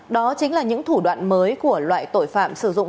đó chính là những thủ đoạn mới của loại tội phạm sử dụng